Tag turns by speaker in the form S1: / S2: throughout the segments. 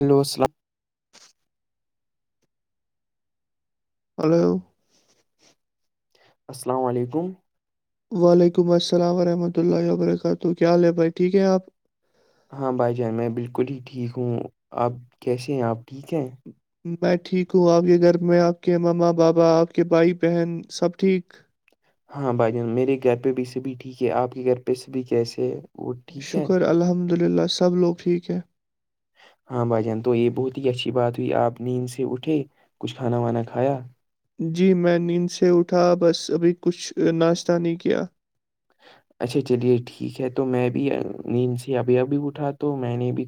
S1: Hello السلام
S2: hello
S1: السلام علیکم
S2: وعلیکم السلام ورحمۃ اللہ وبرکاتہ کیا حال ہے بھائی ٹھیک ہے آپ
S1: ہاں بھائی جان میں بالکل ہی ٹھیک ہوں آپ کیسے ہیں آپ ٹھیک ہیں
S2: میں ٹھیک ہوں آگ کے گھر میں آپ کے مما بابا آپ کے بھائی بہن سب ٹھیک
S1: ہاں بھائی جان میرے گھر پہ بھی سبھی ٹھیک ہے آپ کے گھر پہ سبھی کیسے ہے وہ ٹھیک ہے
S2: شکر الحمد للہ سب لوگ ٹھیک ہے
S1: ہاں بھائی جان تو یہ بہت ہی اچھی بات ہوئی آپ نیند سے اٹھے کچھ کھانا وانا کھایا
S2: جی میں نیند سے اٹھا بس ابھی کچھ ناشتہ نہیں کیا
S1: [inaudible] اچھا چلیے ٹھیک ہے تو میں بھی نیند سے ابھی ابھی اٹھا تو میں نے بھی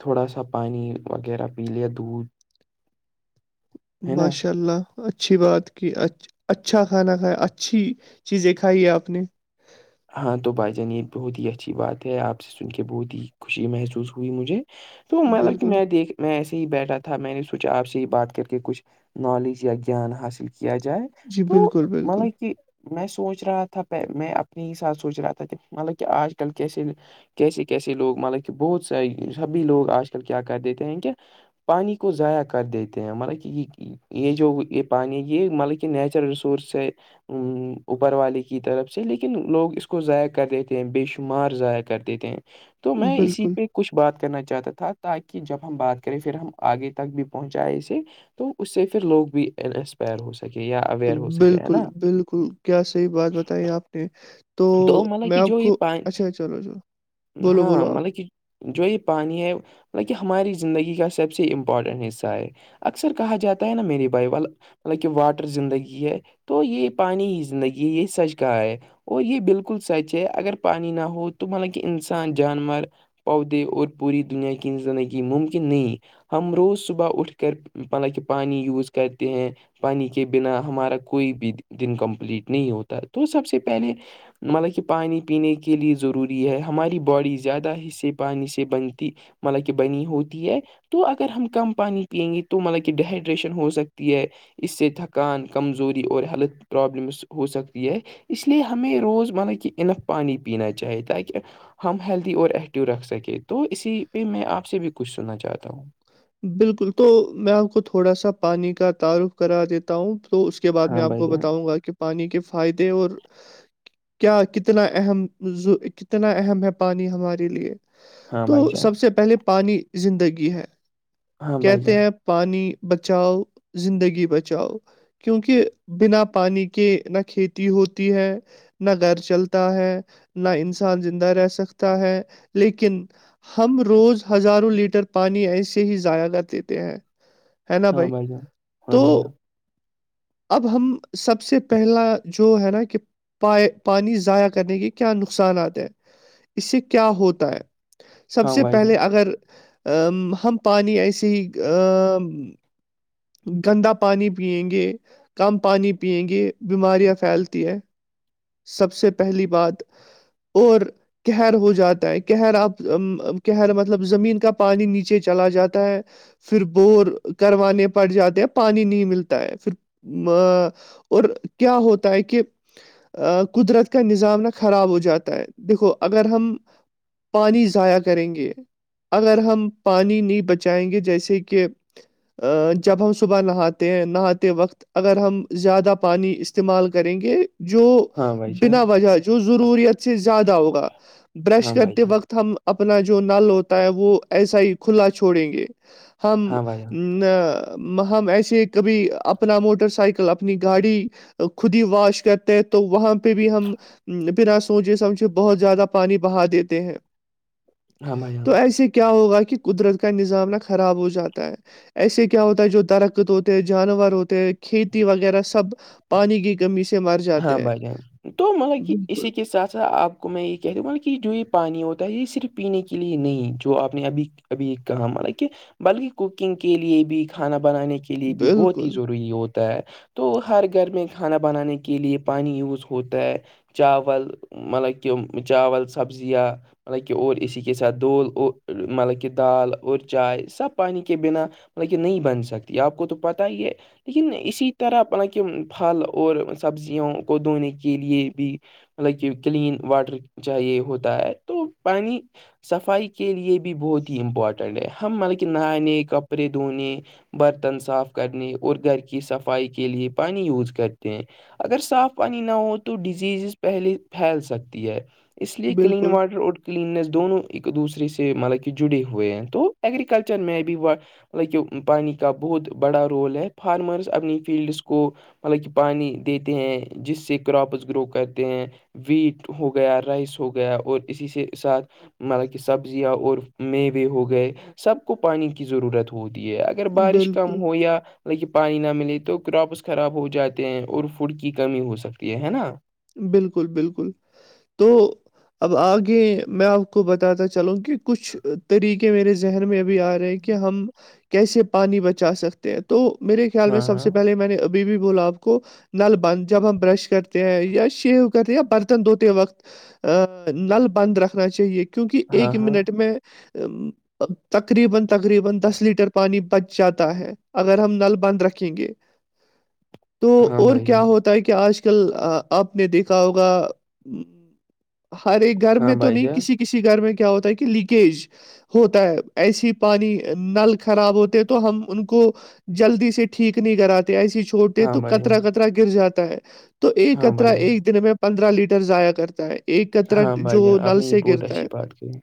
S1: تھوڑا سا پانی وغیرہ پی لیا دودھ ہے نا
S2: باشاء اللہ اچھی بات کہ اچ اچھا کھانا کھایا اچھی چیزیں کھائی ہے آپ نے
S1: ہاں تو بھائی جان یہ بہت ہی اچھی بات ہے آپ سے سن کے بہت ہی خوشی محسوس ہوئی مجھے تو مطلب کہ
S2: بالکل
S1: میں دیکھ میں ایسے ہی بیٹھا تھا میں نے سوچا آپ سے ہی بات کر کے کچھ نالج یا گیان حاصل کیا جائے
S2: جی
S1: تو
S2: بالکل بالکل
S1: مطلب کہ میں سوچ رہا تھا میں اپنے ہی ساتھ سوچ رہا تھا مطلب کہ آج کل کیسے کیسے کیسے لوگ مطلب کہ بہت س سبھی لوگ آج کل کیا کر دیتے ہیں کہ پانی کو ضائع کر دیتے ہیں مطلب کہ یہ یہ جو یہ پانی یہ مطلب کہ نیچرل ریسورس ہے ا اوپر والے کی طرف سے لیکن لوگ اس کو ضائع کر دیتے ہیں بے شمار ضائع کر دیتے ہیں تو میں
S2: بالکل
S1: اسی پہ کچھ بات کرنا چاہتا تھا تاکہ جب ہم بات کریں پھر ہم آگے تک بھی پہنچائیں اسے تو اس سے پھر لوگ بھی انسپائر ہو سکتے سک یہب
S2: بالکل بالکل کیا صحیح بات بتائی آپ نے تو
S1: مطلب
S2: میں
S1: کہ
S2: آپ
S1: جو یہ
S2: کو
S1: پانی
S2: اچھا چلو چلو بولو
S1: ہاں
S2: بولو آپ
S1: مطلب کہ جو یہ پانی ہے بطلب کہ ہماری زندگی کا سب سے امپورٹنٹ حصہ ہے اکثر کہا جاتا ہے نا میری بائیول مطلب کہ واٹر زندگی ہے تو یہ پانی ہی زندگی ہے یہ سج کا ہے اور یہ بالکل سچ ہے اگر پانی نہ ہو تو مطلب کہ انسان جانور پودے اور پوری دنیا کی زندگی ممکن نہیں ہم روز صبح اٹھ کر مطلب کہ پانی یوز کرتے ہیں پانی کے بنا ہمارا کوئی بھی دن کمپلیٹ نہیں ہوتا تو سب سے پہلے مطلب کہ پانی پینے کے لیے ضروری ہے ہماری باڈی زیادہ حصے پانی سے بنتی مطلب کہ بنی ہوتی ہے تو اگر ہم کم پانی پییں گے تو مطلب کہ ڈیہائیڈریشن ہو سکتی ہے اس سے تھکان کمزوری اور ہیلتھ پرابلمس ہو سکتی ہے اس لیے ہمیں روز مطب کہ انف پانی پینا چاہیے تاکہ ہم ہیلدی اور ایکٹیو رکھ سکیں تو اسی پہ میں آپ سے بھی کچھ سننا چاہتا ہوں
S2: بالکل تو میں آپ کو تھوڑا سا پانی کا تعارف کرا دیتا ہوں تو اس کے بعد
S1: ہاں
S2: میں آپ
S1: بھائی
S2: کو
S1: جان
S2: بتاؤں گا کہ پانی کے فائدے اور کیا کتنا اہم کتنا اہم ہے پانی ہمارے لیے
S1: ہاں
S2: تو
S1: بھائی جان
S2: سب سے پہلے پانی زندگی ہے
S1: ہاں بھائی
S2: کہتے
S1: جان
S2: ہیں پانی بچاؤ زندگی بچاؤ کیونکہ بنا پانی کے نہ کھیتی ہوتی ہے نہ گھر چلتا ہے نہ انسان زندہ رہ سکتا ہے لیکن ہم روز ہزاروں لیٹر پانی ایسے ہی ضائع کر دیتے ہیں ہے نا
S1: ہاں
S2: بھائی
S1: جان ہاں
S2: تو
S1: بھائی جان
S2: اب ہم سب سے پہلا جو ہے نا کہ پائے پانی ضائع کرنے کے کیا نقصاناتات ہیں اس سے کیا ہوتا ہے سب
S1: ہاں
S2: سے
S1: بھائی جان
S2: پہلے اگر ہم پانی ایسے ہی ا گندا پانی پیئیں گے کم پانی پئیں گے بیماریاں پھیلتی ہے سب سے پہلی بات اور قہر ہو جاتا ہے قہر آپ قر مطلب زمین کا پانی نیچے چلا جاتا ہے پھر بورور کروانے پڑ جاتے ہیں پانی نہیں ملتا ہے پھر ا اور کیا ہوتا ہے کہ قدرت کا نظام نہ خراب ہو جاتا ہے دیکھو اگر ہم پانی ضائع کریں گے اگر ہم پانی نہیں بچائیں گے جیسے کہ جب ہم صبح نہاتے ہیں نہاتے وقت اگر ہم زیادہ پانی استعمال کریں گے جو
S1: ہاں بھائی جان
S2: بنا وجہ جو ضروریت سے زیادہ ہوگا برش
S1: ہاں بھائی
S2: کرتے
S1: جان
S2: وقت ہم اپنا جو نل ہوتا ہے وہ ایسا ہی کھلا چھوڑیں گے ہم
S1: ہاں بھائی جان
S2: ہم ایسے کبھی اپنا موٹر سائیکل اپنی گاڑی خود ہی واش کرتے ہیں تو وہاں پہ بھی ہم بنا سوچے سمجھے بہت زیادہ پانی بہا دیتے ہیں
S1: ہاں بھائی جان
S2: تو ایسے کیا ہوگا کہ قدرت کا نظام نہ خراب ہو جاتا ہے ایسے کیا ہوتا ہے جو درقت ہوتے جانور ہوتے کھیتی وغیرہ سب پانی کی کمی سے مرض
S1: ہاں بھائی جان تو مطلب کہ اسی کے ساتھ ساتھ آپ آپ کو میں یہ کہہ دوں مطلب کہ جو یہ پانی ہوتا ہے یہ صرف پینے کے لیے نہیں جو آپ نے ابھی ابھی کہا مطب کہ بلکہ کوکنگ کے لئے بھی کھانا بنانے کی لیے بھی بہت ہی
S2: بالکل
S1: ضروری ہوتا ہے تو ہر گھر میں کھانا بنانے کی کے لیے پانی یوز ہوتا ہے چاول مطلب کہ چاول سبزیاں مطلب کہ اور اسی کے ساتھ دول مطلب کہ دال اور چائے سب پانی کے بنا مطل کہ نہیں بن سکتی آپ کو تو پت ہی ہے لیکن اسی طرح مل کہ پھل اور سبزیوں کو دھونے کے لیے بھی مطلب کہ کلین واٹر چاہے ہوتا ہے تو پانی صفائی کے لیے بھی بہت ہی امپورٹنٹ ہے ہم مطلب کہ نہانے کپڑے دھونے برتن صاف کرنے اور گھر کی صفائی کے لیے پانی یوز کرتے ہیں اگر صاف پانی نہ ہو تو ڈیزیزز پہلے پھیل سکتی ہے اس لیے کلین
S2: بالکل
S1: واٹر کلیننس دونوں ایک دوسرے سے مطلب کہ جڑے ہوئے ہیں تو ایگریکلچر میں بھی مطلب کہ پانی کا بہت بڑا رول ہے فارمرس اپنی فیلڈس کو مطلب کہ پانی دیتے ہیں جس سے کراپس گرو کرتے ہیں ویٹ ہو گیا رائس ہو گیا اور اسی سے ساتھ مطلب کہ سبزیاں اور میوے ہو گئے سب کو پانی کی ضرورت ہوتی ہے اگر بارش کم
S2: بالکل
S1: ہو یا پانی نہ ملے تو کراپس خراب ہو جاتے ہیں اور فوڈ کی کمی ہو سکتی ہے ہے نا
S2: بالکل بالکل تو اب آگے میں آپ کو بتاتا چلوں کہ کچھ طریقے میرے ذہن میں ابھی آ رہے ہیں کہ ہم کیسے پانی بچا سکتے تو میرے خیال میں
S1: ہاں
S2: سب سے
S1: ہاں
S2: پہلے میں نے بھی بولا آپ کو نل بند جب ہم برش کرتے ہیں یہ یا شیو کرتے یا برتن دھتے وقت نل بند رکھنا چاہیے کہ کیونکہ
S1: ہاں
S2: ایک
S1: ہاں
S2: منٹ میں تقریبا تقریبا دس لیٹر پانی بچ جاتا ہے اگر ہم نل بند رکھیں گے
S1: [inaudible]
S2: تو
S1: ہاں
S2: اور
S1: بھائی
S2: کیا
S1: جان
S2: ہوتا ہے کہ آج کل آپ نے دیکھا ہوگا ہر ایک گھر
S1: ہاں
S2: میں تو
S1: بھائی
S2: نہیں
S1: جان
S2: کسی کسی گھر میں کیا ہوتا ہے کہ لییکیج ہوتا ہے ایسی پانی نل خراب ہوتے ہیں تو ہم ان کو جلدی سے ٹھیک نہیں کراتے ایسے چھوٹتے
S1: ہاں
S2: تو
S1: بھائی جان
S2: کطرا کطرا گر جاتا ہے تو ایکر
S1: ہاں بھائی جان
S2: میں پندرہ لیٹر ضائع کرتا ہے ایک کترا
S1: ہاں بھائی جان
S2: جو
S1: آپ
S2: نل
S1: نے یہ
S2: سے
S1: بہت
S2: گرتا ہے
S1: اچھی بات کہی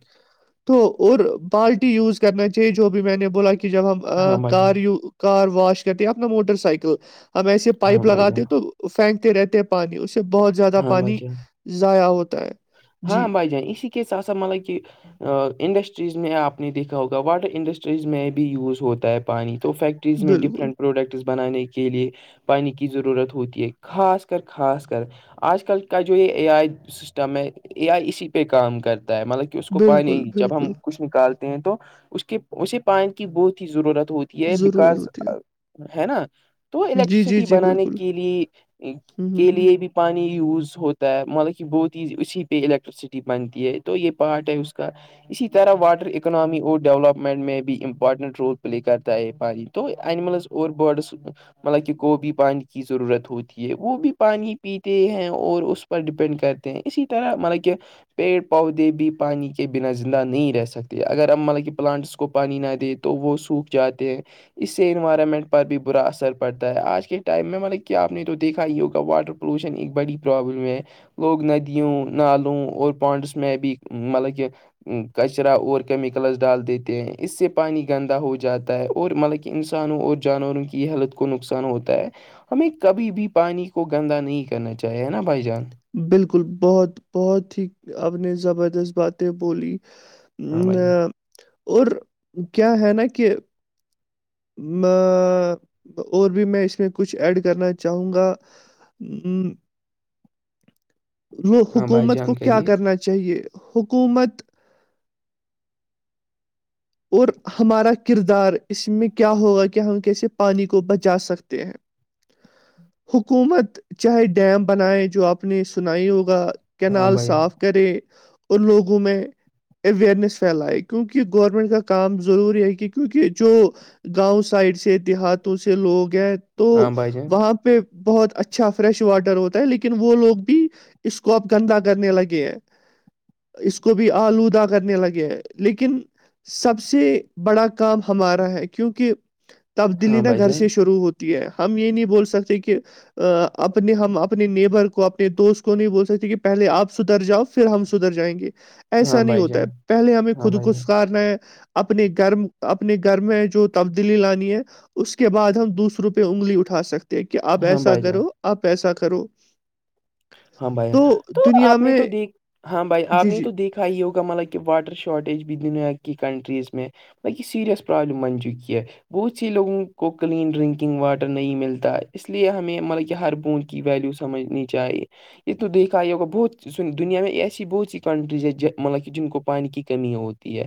S2: تو اور بالٹی یوز کرنا چاہیے جو بھی میں نے بولا کہ جب ہم
S1: ہاں بھائی جان
S2: کار کار واش کرتے ہیں اپنا موٹر سائیکل ہم ایسے
S1: ہاں
S2: پائپ
S1: بھائی جان،
S2: لگاتے تو پھینکتے رہتے ہیں پانی اس کہ بہت زیادہ
S1: ہاں بھائی
S2: پانی
S1: جان،
S2: ضائع ہوتا ہے جی
S1: ہاں بھائی جان اسی کی سے ساتھ مطلب کہ انڈسٹریز میں آپ نے دیکھا ہوگا واٹر انڈسٹریز میں بھی یوز ہوتا ہے پانی تو فیکٹ یز میں
S2: بالکل،
S1: ڈفرنٹ پروڈکٹس بنانک کے لیے پانی کی ضرورت ہوتی ہے خاص کر خاص کر آج کل کا جو یہ اے آئی سسٹم ہے اے آئی اسی پہ کام کرتا ہے مطلب اس کو پان
S2: بالکل،
S1: نہیں جب
S2: بالکل،
S1: ہم کچھ نکالتے ہیں تو اس کے اسے پانی کی بہت ہی ضرورت ہوتی ہے
S2: ضرورت
S1: بکاز
S2: ہوتی ہے۔
S1: ہے نا تو
S2: جی، جی،
S1: الیکٹرسٹی
S2: جی،
S1: بنانے
S2: بالکل،
S1: کے لیے
S2: ہوں، ہوں،
S1: کے
S2: ہوں،
S1: لیے بھی پانی یوز ہوتا ہے مطلب کہ بہت اسی پہ الیکٹرسٹی بنتی ہے تو یہ پارٹ ہے اس کا اسی طرح واٹر اکنامی اور ڈیولپمنٹ میں بھی امپورٹنٹ رول پلے کرتا ہے یہ پانی تو انینملز اور بڈس مطلب کہ گوبھی پانی کی ضرورت ہوتی ہے وہ بھی پانی پیتے ہیں اور اس پر ڈیپینڈ کرتے ہیں اسی طرح مطلب کہ پیڑ پودے بھی پانی کے بنا زندہ نہیں رہ سکتے اگر اب ملب کہ پلانٹس کو پانی نہ دے تو وہ سوکھ جاتے ہیں اس سے انوائرمنٹ پر بھی برا اثر پڑتا ہے آج کے ٹائم میں مطلب کہ آپ نے تو دیکھا ہی ہوگا واٹر پولوشن ایک بڑی پرابلم ہے لوگ ندیوں نالوں اور پانڈس میں بھی مطلب کہ کچرا اور کیمیکلس ڈال دیتے ہیں اس سے پانی گندا ہو جاتا ہے اور مطلب انسانوں اور جانوروں کی حلت کو نقصان ہوتا ہے ہمیں کبھی بھی پانی کو گندا نہیں کرنا چاہیے نا بھائی جان
S2: بالکل بہت بہت ہی اب نے زبردست باتیں بولی
S1: ہاں بھائی جان
S2: اور کیا ہے نا کہ میں اور بھی میں اس میں کچھ ایڈ کرنا چاہوں گا ہوں
S1: ہاں بھائی
S2: حکومت کو
S1: جان
S2: کیا
S1: کریے
S2: کرنا چاہیے حکومت اور ہمارا کردار اس میں کیا ہوگا کہ ہم کیسے پانی کو بچا سکتے ہیں حکومت چاہے ڈیم بنائے جو آپ نے سنائی ہوگا
S1: ہاں
S2: کینال
S1: بھائی جان،
S2: صاف کرے اور لوگوں میں اوئرنیس پھیلائے کیونک گور ٹ کا کام ضروری ہے کہ کیونکہ جو گاؤں سائڈ سے دیہاتوں سے لوگ ہیں تو
S1: ہاں بھائی جان
S2: وہاں پہ بہت اچھا فریش واٹر ہوتا ہے لیکن وہ لوگ بھی اس کو اپ گندا کرنے لگے ہیں اس کو بھی آلودہ کرنے لگے ہیں لیکن سب سے بڑا کام ہمارا ہے کیونکہ تبدیلی
S1: ہاں
S2: نہ
S1: بھائی
S2: گھر
S1: جان
S2: سے شروع ہوتی ہم یہ نہیں بول سکتے کہ اپنے ہم اپنے نیبر کو اپنے دوست کو نہیں بول سکتے کہ پہلے آپ ستھر جاؤ پھر ہم سدھر جائیں گے
S1: ہاں
S2: ایسا نہیں
S1: بھائی
S2: ہوتا
S1: جان
S2: ہے پہلے ہمیں
S1: ہاں
S2: خود
S1: بھائی جان
S2: کوسکارنا ہے اپنے گھرم اپنے گھر میں جو تبدیلی لانی ہے اس کے بد ہم دوسروں پہ انگلی اٹا سکتے د کہ آپ
S1: ہاں
S2: ایسا
S1: بھائی جان
S2: کرو آپ ایسا کرو
S1: ہاں بھائی تو
S2: دنیا
S1: آپ نے
S2: میں
S1: تو دیکھ ہاں بھائی آپ
S2: جی
S1: نے
S2: جی
S1: تو دیکھ ہ یہ ہوگا مطلب کہ واٹر شاٹیج بھی دنیا کی کنٹریز میں ب یہ سریس پرابلم من جو کیہ [inaudible] بہت سی لوگوں کو کلین ڈرنکنگ واٹر نہیں ملتا اس لیے ہمیں مطلب کہ ہر بوج کی ویلو سمجھنی چاہیے یہ تو دیکھا یہ ہوگا بہت س دنیا میں ایسی بہت سی کنٹریز ہے مطلب کہ جن کو پانی کی کمی ہوتی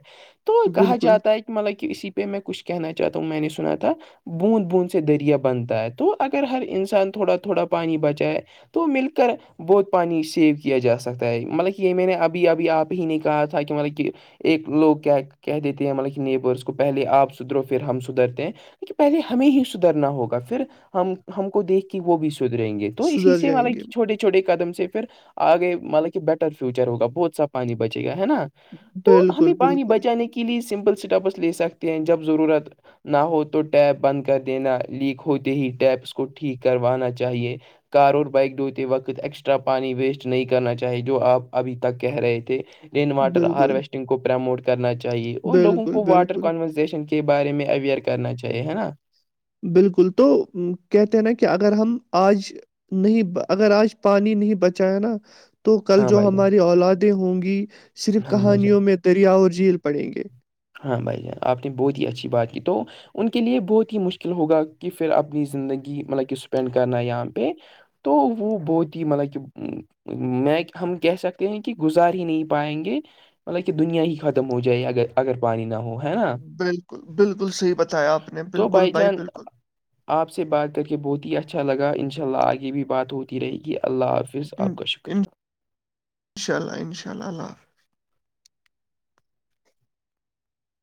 S1: تو کہا
S2: بالکل
S1: جاتا ہے کہ مطلب کہ اسی پہ میں کچھ کہنا چاہتا ہوں میں نے سنا تھا بوند بوند سے دریا بنتا ہے تو اگر ہر انسان تھوڑا تھوڑا پانی بچائے تو مل کر ب بہت پانی سیو کیا جا سکتا ہے مطلب کہ یہ میں نے ابھی ابھی آپ ہی نہیں کہا تھا کہ مطلب کہ ایک لوگ کیا کہ دیتے ہیں مطلب کہ نیبرس کو پہلے آپ سدھرو پھر ہم سدھرتے ہیں ہ پہلے ہمیں ہی سدھرنا ہوگا پھر ہم ہم کو دیکھ کے وہ بھی س رہیں گے تو اسی
S2: سدھر
S1: سے
S2: جائیں گے
S1: مطلب چھوٹے چھوٹے قدم سے پھر آگے مطلب کہ بیٹر فیوچر ہوگا بہت سا پانی بچے گا نا تو ہمیں
S2: بالکل
S1: پانی
S2: بالکل
S1: بچانے کے لیے سمپل اسٹیپس لے سکتے ہیں جب ضرورت نہ ہو تو ٹیپ بند کر دینا لیک ہوتے ہی ٹیپ اس کو ٹھیک کروانا چاہیے کار اور بائک وقت ایکسٹرا پانی ویسٹ نہیں کرنا چاہیے جو آپ ابھی تک کہہ رہے تھے رین واٹر
S2: بالکل
S1: ہارویسٹنگ کو پرموٹ کرنا چاہیے اور لوگوں
S2: بالکل
S1: کو واٹر
S2: بالکل
S1: کنورزیشن کے بارے میں اویئر کرنا چاہیے ہے نا
S2: بالکل تو کہتے ہیں نا کہ اگر ہم آج نہیں اگر آج پانی نہیں بچیا نا تو کل
S1: ہاں
S2: جو
S1: بھائی جان
S2: ہماری اولادیں ہوں گی صرف
S1: ہاں بھائی جان
S2: کہانیوں میں دریا اور جھیل پڑھیں گے
S1: ہاں بھائی جان آپ نے بہت ہی اچھی بات کی تو ان کے لیے بہت ہی مشکل ہوگا کہ پھر اپنی زندگی مطلب کہ اسپینڈ کرنا یہاں پہ تو وہ بہت ہی مطلب کہ میں ہم کہہ سکتے ہیں کہ گزار ہی نہیں پائیں گے مطلبہ دنیا ہی ختم ہو جائے اگر اگر پانی نہ ہو ہے نا
S2: بالکل بالکل صحیح بتایا آپ نے
S1: تو
S2: بالکل
S1: بائی
S2: بھائی
S1: چان
S2: بالکل
S1: آپ سے بات کر کے بہت ہی اچھا لگا ان شاء اللہ آگے بھی بات ہوتی رہے گی اللہ حافظ پیس آپ کا شکریہ
S2: ان شاء اللہ ان شاء اللہ حاف